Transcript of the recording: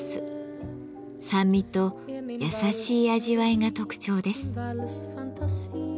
酸味と優しい味わいが特徴です。